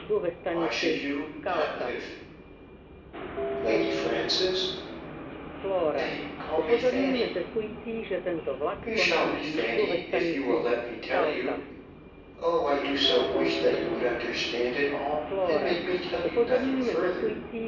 "Why should you not live?" "Lady Frances " "Nay, call me Fanny." "You shall be Fanny if you will let me tell you. Oh! I do so wish that you would understand it all, and make me tell you nothing further.